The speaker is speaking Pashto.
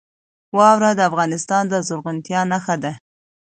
واوره د افغانستان د زرغونتیا نښه ده.